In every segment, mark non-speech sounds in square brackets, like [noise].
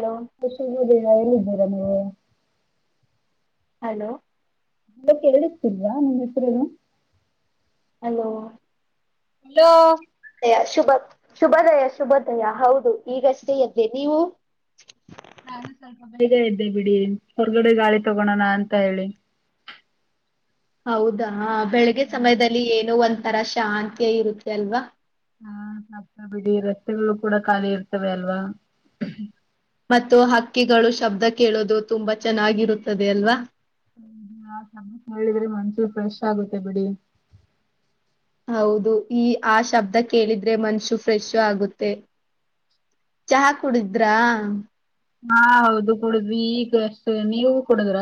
Hello. [unintelligible] ಎಲ್ಲಿ ಇದ್ದೀರಾ ನೀವು. ಹಲೋ. ಹಲ್ಲೋ ಕೇಳಿಸತಿಲ್ವಾ ನಿಮ್ಮ್ ಹೆಸರ ಏನು. ಹಲೋ. ಹಲೋ. ದಯ ಶುಭ ಶುಭದಯ ಶುಭ ದಯ ಹೌದು ಈಗಷ್ಟೇ ಎದ್ದೆ ನೀವು. ನಾನು ಸ್ವಲ್ಪ ಬೇಗ ಎದ್ದೆ ಬಿಡಿ ಹೊರಗಡೆ ಗಾಳಿ ತಗೋಳೋಣ ಅಂತ ಹೇಳಿ. ಹೌದಾ ಬೆಳಿಗ್ಗೆ ಸಮಯದಲ್ಲಿ ಏನೋ ಒಂದಂತರ ಶಾಂತಿಯ ಇರುತ್ತೆ ಅಲ್ವಾ. ಹಾ ಆಗ್ತಾ ಬಿಡಿ ರಸ್ತೆಗಳು ಕೂಡ ಖಾಲಿ ಇರ್ತವೆ ಅಲ್ವಾ. ಮತ್ತು ಹಕ್ಕಿಗಳು ಶಬ್ದ ಕೇಳೋದು ತುಂಬಾ ಚೆನ್ನಾಗಿರುತ್ತದೆ ಅಲ್ವಾ. [unintelligible] ಮನ್ಸು ಫ್ರೆಶ್ ಆಗುತ್ತೆ ಬಿಡಿ. ಹೌದು ಈ ಆ ಶಬ್ದ ಕೇಳಿದ್ರೆ ಮನ್ಷು ಫ್ರೆಶ್ ಆಗುತ್ತೆ. ಚಹಾ ಕುಡಿದ್ರಾ. ಹಾ ಹೌದು ಕುಡುದ್ವಿ ಈಗ ಅಷ್ಟು ನೀವು ಕುಡುದ್ರ.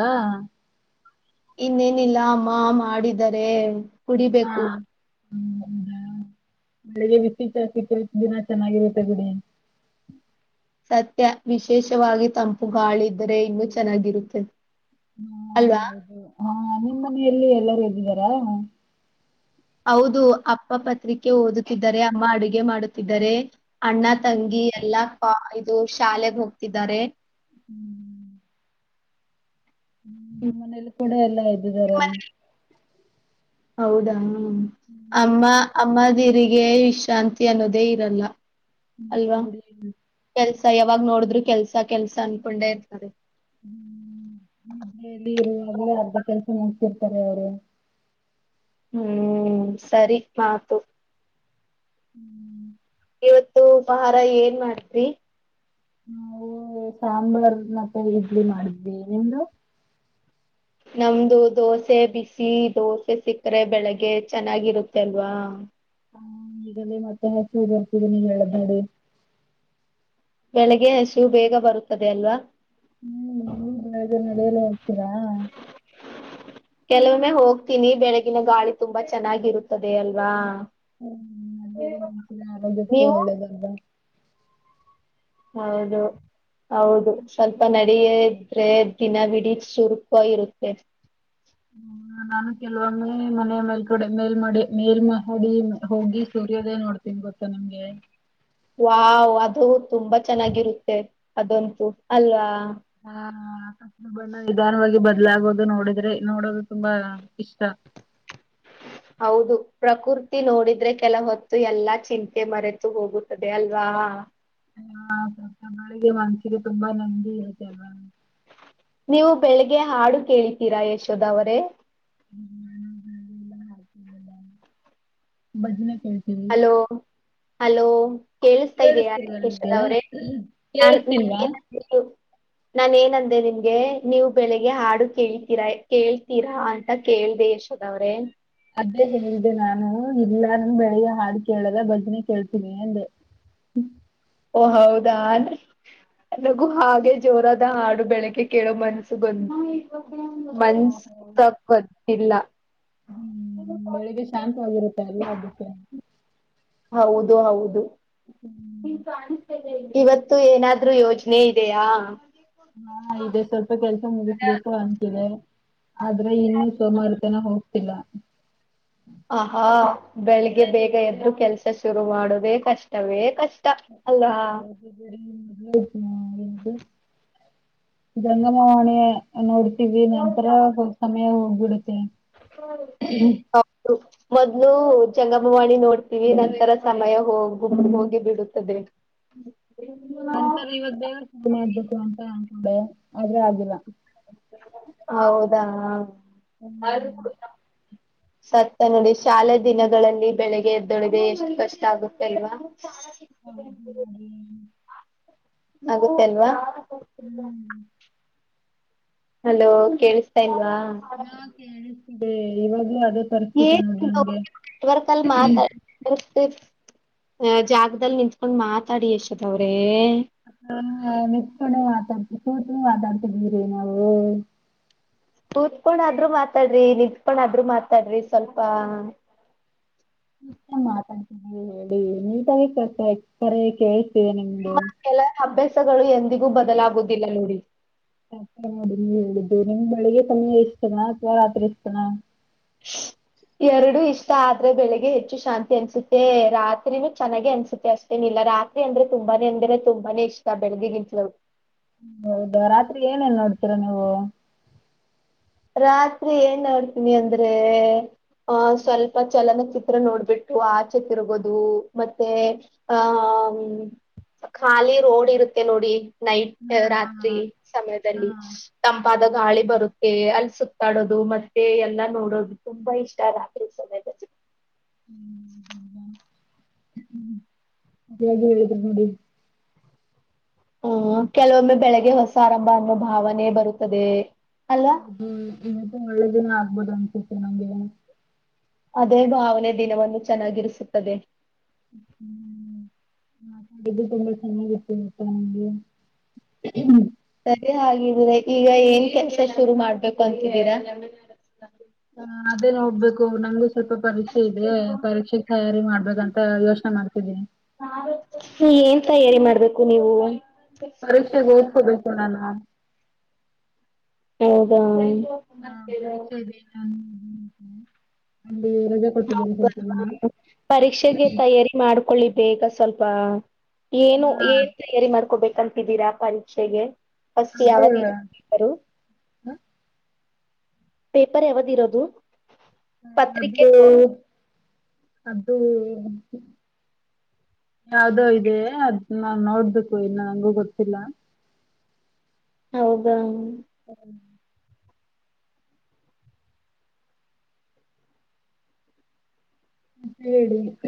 ಇನ್ನೇನಿಲ್ಲ ಅಮ್ಮ ಮಾಡಿದರೆ ಹಾ ಕುಡಿಬೇಕು ಹ್ಮ ಹೌದಾ ಬೆಳಿಗ್ಗೆ ಬಿಸಿ ಚಾಕ ದಿನಾ ಚೆನ್ನಾಗಿರುತ್ತೆ ಬಿಡಿ [unintelligible] ಸತ್ಯ ವಿಶೇಷವಾಗಿ ತಂಪು ಗಾಳಿದರೆ ಇನ್ನೂ ಚೆನ್ನಾಗಿರುತ್ತೆ ಹಾ, ಅಲ್ವಾ ಹೌದು ಹಾ ನಿಮ್ ಮನೆಯಲ್ಲಿ ಎಲ್ಲರೂ ಇದ್ದಿದ್ದಾರಾ ಹೌದು ಅಪ್ಪ ಪತ್ರಿಕೆ ಓದುತ್ತಿದ್ದಾರೆ ಅಮ್ಮ ಅಡುಗೆ ಮಾಡುತ್ತಿದ್ದಾರೆ ಅಣ್ಣ ತಂಗಿ ಎಲ್ಲಾ ಇದು ಶಾಲೆಗೆ ಹೋಗ್ತಿದ್ದಾರೆ ಹ್ಮ್ ಹ್ಮ ನಮ್ಮ್ ಮನೇಲಿ ಕೂಡ ಎಲ್ಲಾ ಇದ್ದಿದ್ದಾರೆ ಹೌದಾ ಹ್ಮ ಅಮ್ಮ ಅಮ್ಮ ನೀರಿಗೆ ವಿಶ್ರಾಂತಿ ಅನ್ನೋದೇ ಇರಲ್ಲ ನಿಜ ಅಲ್ವಾ ಬಿಡಿ ಕೆಲ್ಸ ಯಾವಾಗ ನೋಡಿದ್ರು ಕೆಲ್ಸ ಕೆಲ್ಸ ಅನ್ಕೊಂಡೆ ಇರ್ತದೆ ನಿದ್ದೆಯಲ್ಲಿ ಇರುವಾಗ್ಲೂ ಅರ್ಧ ಕೆಲಸ ಮಾಡಡ್ತಿರ್ತಾರೆ ಅವರು ಹ್ಮ್ ಸರಿ ಮಾತು ಹ್ಮ್ ಇವತ್ತು ಉಪಹಾರ ಏನ್ ಮಾಡ್ತ್ರಿ ನಾವು ಸಾಂಬಾರ್ ಮತ್ತೆ ಇಡ್ಲಿ ಮಾಡಿದ್ವಿ ನಿಮ್ದು ನಮ್ದು ದೋಸೆ ಬಿಸಿ ದೋಸೆ ಸಿಕ್ಕರೆ ಬೆಳಿಗ್ಗೆ ಚೆನ್ನಾಗಿರುತ್ತೆ ಅಲ್ವಾ ಹ ಈಗಲೇ ಮತ್ತೆ ಹಸೂರಿತರಿ ನೀ ಹೇಳ್ದಡಿ [unintelligible] ಬೆಳಗ್ಗೆ ಹಸವು ಬೇಗ ಬರುತ್ತದೆ ಅಲ್ವಾ ಹ್ಮ ನಡೆಯಲ್ಲೇ ಹೋಗ್ತೀರಾ ಕೆಲವೊಮ್ಮೆ ಹೋಗ್ತೀನಿ ಬೆಳಗಿನ ಗಾಳಿ ತುಂಬಾ ಚೆನ್ನಾಗಿರುತ್ತದೆ ಅಲ್ವಾ ಹ್ಮ ಮನ್ಸ ಆರಂಭಿಸ್ತೀ ನೀವು ಒಳ್ಳೆದಾಗಾಗ ಹೌದು ಹೌದು ಸ್ವಲ್ಪ ನ ಡ ಇದ್ರೆ ದಿನ ಬಿಡ ಶುರ್ಕ ಇರುತ್ತೆ ಹ್ಮ ನಾನು ಕೆಲವೊಮ್ಮೆ ಮನೆಯ ಮೇಲ್ ಕಡೆ ಮೇಲ್ಮಡಿ ಮೇಲ್ಮಹಡಿ ಹೋಗಿ ಸೂರ್ಯೋದಯ ನೋಡ್ತ ತಿನ್ ಗೊತ್ತಾ ನಮ್ಗೆ ವಾವ್ ಅದು ತುಂಬಾ ಚೆನ್ನಾಗಿರುತ್ತೆ ಅದಂತೂ ಅಲ್ವಾ ಹಾ ಬಣ್ಣ ನಿಧಾನವಾಗಿ ಬದ್ಲಾಗೋದು ನೋಡಿದ್ರೆ ನೋಡೋದು ತುಂಬಾ ಇಷ್ಟ ಹೌದು ಪ್ರಕೃತಿ ನೋಡಿದ್ರೆ ಕೆಲ ಹೊತ್ತು ಎಲ್ಲಾ ಚಿಂತೆ ಮರೆತು ಹೋಗುತ್ತ ದೆ ಅಲ್ವಾ ಹ ಸ್ವಲ್ಪ ಬೆಳಿಗೆ ಮನ್ಸ್ಸಿಗೆ ತುಂಬಾ ನಂದಿ ಇದೆಲ್ವಾ ನೀವು ಬೆಳಿಗ್ಗೆ ಹಾಡು ಕೇಳಿತೀರಾ ಯಶೋದ ಅವರೇ [unintelligible] ಎಲ್ಲ ಹತ ಬಜನೆ ಕೇಳ್ತೀರಿ [unintelligible] ಹಲೋ ಹಲೋ ಕೇಳಿಸತಾ ಇದೀಯಾ ಕೇಳಿಸ್ತಿಲ್ವಾ ನಿಮ್ಗೆ ನಿಶದವ್ರೇ ಕೇಳಿಸ್ತಿಲ್ವಾ [inaudible] ನಾನ ಏನಂದೆ ನಿಮ್ಗೆ ನೀವು ಬೆಳಿಗ್ಗೆ ಹಾಡು ಕೇಳ್ತೀರಾ ಕೇಳ್ತೀರಾ ಅಂತ ಕೇಳ್ದ ಎಷ್ಟ ದ ಅವ್ರೆ ಅದೇ ಏನಿದೆ ನಾನು ಇಲ್ಲ ನಂದ ಬೆಳಿಗ್ಗೆ ಹಾಡು ಕೇಳದ ಭಜನೆ ಕೇಳ್ತೀನಿ ಅಂದೆ ಓ ಹೌದಾ ನಗು ಹಾಗೆ ಜೋರಾದ ಹಾಡು ಬೆಳಕಗೆ ಕೇಳೋ ಮನ್ಸು ಬಂದು ಮನ್ಸ [inaudible] ತಕ್ಕತ್ತಿಲ್ಲ ಬೆಳಿಗ್ ಶಾಂತವಾಗಿರುತ್ತೆ ಅಲ್ವಾ ಅದಕ್ಕೆ ಹೌದು ಹೌದುವ------ಇಲ್ಲಿ ಕನಸತಾಯಿತಿ ಇವತ್ತ ಏನಾದ್ರು ಯೋಜನೆ ಇದೆಯಾ ಹಾ ಇದೆ ಸ್ವಲ್ಪ ಕೆಲ್ಸ ಮುಗಿಸ್ಬೇಕು ಅಂತಿದೆ. ಆದ್ರೆ ಇನ್ನು ಸೋಮಾರತನ ಹೋಗ್ತಿಲ್ಲ ಆಹಾ ಆಹಾ ಬೆಳಿಗ್ಗೆ ಬೇಗ ಎದ್ದು ಕೆಲ್ಸ ಶುರು ಮಾಡುವುದೇ ಕಷ್ಟವೇ ಕಷ್ಟ ತಾ ಅಲ್ಲ ಜಂಗಮವಾಣಿಯಿ ನೋಡ್ತೀವಿ ನಂತರ ಸಮಯ ಹೋಗಬಿಡತ ಹ [inaudible] ಮೊದ್ಲು ಜಂಗಮವಾಣಿ ನೋಡ್ತೀವಿ ನಂತರ ಸಮಯ ಹೋಗಿ ಗುಬ ಹೋಗಿ ಬಿಡತದೆ. ಹ [unintelligible] ನಂತರ ಇವಾಗ ದೇವರದ ಮಾಡಬೇಕು ಅಂತ ಅನ್ಕೊಂಡೆ ಆದ್ರೆ ಆಗಿಲ್ಲ. ಹೌದಾ [inaudible] ಸತ್ತ ನೋಡಿ ಶಾಲೆ ದಿನಗಳಲ್ಲಿ ಬೆಳಿಗ್ಗೆ ಎದ್ದೊಳಗೆ ಎಷ್ಟು ಕಷ್ಟ ಆಗುತ್ತೆ ಅಲ್ವಾ ಹೌದೊ ನೋಡಿ ಆಗತ್ತೆ ಅಲ್ವಾ.. ಹ್ಮ್ ಹಲೋ ಕೇಳಿಸತಾ ಇಲ್ವಾ ಹಲ್ಲೊ ಕೇಳಿಸ್ತಾ ಇದೆ ಇವಾಗ ಅದೆ ಏನ್ ವರ್ಕ ಅಲ್ಲಿ ಮಾತಾಡ್ ಮ ಜಾಗದಲ್ಲಿ ನಿಂತ್ಕೊಂಡ್ ಮಾತಾಡ ಯಶೋಧ ಅವ್ರೇ ಹಾ ನೀತ್ಕೊಂಡು ಮಾತಾಡ್ತವಿ ಕೊತ ಮಾತಾಡ್ತಿದೀರಿ ನಾವು ಕೂತ್ಕೊಂಡಾದ್ರು ಮಾತಾಡ್ರಿ ನಿಂತ್ಕೊಂಡ ಆದ್ರು ಮಾತಾಡ್ರಿ ಸ್ವಲ್ಪ ಮಾತಾಡ್ತಿದವಿ ಹೇಳಿ ನೀಟಾಗಿ ಕಲಿಸತ ಇದೆ ಕೇಳಿ ಕೇಳಿ ಸೀತಲಾ ನಿಮಗೆ ನಿಮ್ಮ ಕೆಲ ಅಭ್ಯಾಸಗಳು ಎಂದಿಗೂ ಬದಲಾಗುದಿಲ್ಲ ನೋಡಿ ಆ ನೋಡ ನೀ ಹೇಳಿದ್ದು ನಿಮ್ ಬೆಳಗ್ ಸಮಯ ಇಷ್ಟಣ ಅಥವಾ ರಾತ್ರಿ ಇಷ್ಟತಣ ಎರಡು ಇಷ್ಟ ಆದ್ರೆ ಬೆಳಿಗ್ಗೆ ಹೆಚ್ಚು ಶಾಂತಿ ಅನ್ಸುತ್ತೆ ರಾತ್ರಿನೂ ಚೆನ್ನಾಗ ಅನ್ಸುತ್ತೆ ಅಷ್ಟೇ ಏನ ಇಲ್ಲಾ ರಾತ್ರಿ ಅಂದ್ರೆ ತುಂಬಾನೇ ಅಂದ್ರೆ ತುಂಬಾನ ಇಷ್ಟ ಬೆಳಗೆಗ್ಗಿಂತಲು ಹೌದಾ ರಾತ್ರಿ ಏನಲ್ಲಿ ನೋಡ್ತೀರಾ ನೀವು. ರಾತ್ರಿ ಏನ್ ನೋಡ್ತೀನಿ ಅಂದ್ರೆ. ಆಹ ಸ್ವಲ್ಪ ಚಲನ ಚಿತ್ರ ನೋಡ್ಬಿಟ್ಟು ಆಚೆ ತಿರಗೂದು ಮತ್ತೆ..... ಆಹಾ ಆಹಾ ಹ್ಮ್ ಖಾಲಿ ರೋಡ್ ಇರುತ್ತೆ ನೋಡಿ..... ನೈಟ್ ರಾತ್ರಿ ಸಮಯದಲ್ಲಿ ತಂಪಾದ ಗಾಳಿ ಬರುತ್ತೆ ಅಲ್ಲಿ... ಸುತ್ತಾಡೋದು ಮತ್ತೆ ಎಲ್ಲಾ ನೋಡೋದು ತುಂಬಾ ಇಷ್ಟ ರಾತ್ರಿ ಸಮಯದಲ್ಲಿ. ಹ್ಮ ಅ [unintelligible] ಹೇಗೇಳಿದ್ರ ನೋಡಿ ಹ್ಮ್ ಹ್ಮ್ ಕೆಲವೊಮ್ಮೆ ಬೆಳಿಗ್ಗೆ ಹೊಸ ಆರಂಭ ಅನ್ನೋ ಭಾವನೆ ಬರುತ್ತದೆ ಅಲ್ಲ ಹ್ಮ್ ಇತ್ತ ಒಳ್ಳೆ ದಿನ ಆಗ್ಬೋದು ಅನ್ಸುತ್ತೆ ನಮ್ಗೆ. ಅದೇ ಭಾವನೆ ದಿನವನ್ನು ಚೆನ್ನಾಗಿರಿಸುತ್ತದೆ. ಹ್ಮ್ ಹ್ಮ್ ು ತುಂಬಾ ಚೆನ್ನಾಗಿತ್ತು ಮತ್ತ ನಂಗೆ [unintelligible] ಸರಿ ಹಾಗಿದೀರ ಈಗ ಏನ್ ಕೆಲಸ ಶುರು ಮಾಡ್ಬೇಕು ಅಂತಿದೀರಾ. ಹ ಅದೇ ನೋಡ್ಬೇಕು ನಂಗು ಸ್ವಲ್ಪ ಪರೀಕ್ಷೆ ಇದೆ ಪರೀಕ್ಷೆ.. ತಯಾರಿ ಮಾಡ್ಬೇಕಂತ ಯೋಚನೆ ಮಾಡ್ತಿದ್ದೀನಿ. ಏನ್ ತಯಾರಿ ಮಾಡ್ಬೇಕು ನೀವು. ಪರೀಕ್ಷೆ ಗೌ ಹಬೇಕರಾನ ಹೌದಾ ಹಾ ಪರೀಕ್ಷೆ ಇದೀನೆಿ ನ ಅಲ್ಲಿ ರ ಪರೀಕ್ಷೆಗೆ [unintelligible] ತಯಾರಿ ಮಾಡ್ಕೊಳ್ಳಿ ಬೇಗ ಸ್ವಲ್ಪ ಏನು ಹಾ ಏ ತಯಾರಿ ಮಾಡ್ಕೋಬೇಕಂತಿದ್ದೀರಾ ಪರೀಕ್ಷೆಗೆ ಫಸ್ಟ್ ಅದೇ ಯಾವಾಗ ಪೇಪರ್ ಯಾವ್ದ ಇರೋದು ಹ ಅದು ಪತ್ರಿಕೆ ಅದು ಯಾವ್ದೋ ಇದೆ ಅದ ನಾ ನೋಡ್ಬೇಕು ಇನ್ನು ನಂಗು ಗೊತ್ತಿಲ್ಲ ಹೌದಾ ಹ್ಮ ಮ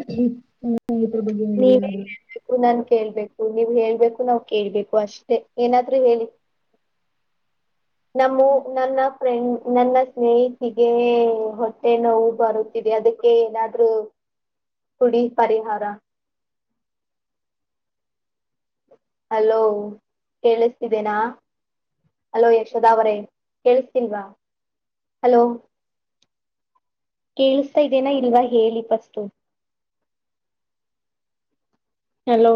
ಹೇಳಿರ ಬಗ್ಗೆ ಹೇಳಿ ಏನಾದ್ೂ ನನ್ ಕೇಳ್ಬೇಕು ನೀವು್ ಹೇಳ್ಬೇಕು ನಾವ್ ಕೇಳ್ಬೇಕು ಅಷ್ಟೇ ಏನಾದ್ೂ ಹೇಳಿ ನಮ್ಮ ನನ್ನ ಫ್ರೆಂಡ್ ನನ್ನ ಸ್ನೇಹಿತಗ ಹೊಟ್ಟೆ ನೋವು ಬರುತ್ತವಿ ಅದಕ್ಕೆ ಏನಾದ್ರು ಕುುಡಿ ಪರಿಹಾರ ಹಲೋ ಕೇಳಿಸ್ತಿದೆೇನಾ ಅಲೋ ಯಶದಾವರೇ ಕೇೇಳಸ್ತಿಲ್ವಾ ಹಲೋ ಕೇಳಿಸತಾ ಇದೇನಾ ಇಲ್ವಾ ಹೇಳಿ ಪಸ್ು ಹಲೋ